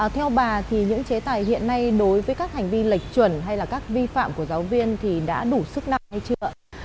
theo bà thì những chế tài hiện nay đối với các hành vi lệch chuẩn hay là các vi phạm của giáo viên thì đã đủ sức nặng hay chưa ạ